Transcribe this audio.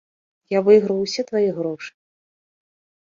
Я выйграў усе твае грошы.